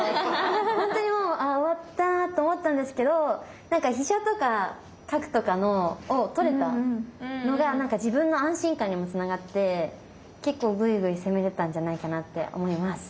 ほんとにもうああ終わったと思ったんですけど飛車とか角とかを取れたのが自分の安心感にもつながって結構ぐいぐい攻めれたんじゃないかなって思います。